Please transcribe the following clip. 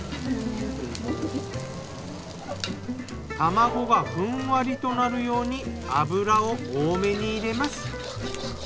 卵がふんわりとなるように油を多めに入れます。